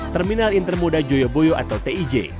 terminal intermoda joyoboyo atau tij